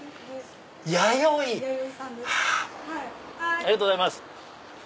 ありがとうございます。